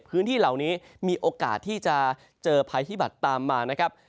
พื้นที่เหล่านี้มีโอกาสที่จะเจอภัยพิบัตรตามมานะครับ